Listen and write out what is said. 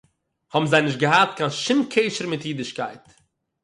האָבן זיי נישט געהאַט קיין שום קשר מיט אידישקייט